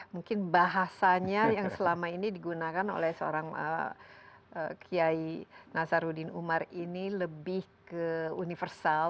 mungkin bahasanya yang selama ini digunakan oleh seorang kiai nasaruddin umar ini lebih ke universal